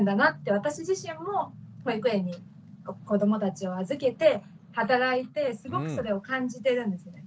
私自身も保育園に子どもたちを預けて働いてすごくそれを感じてるんですね。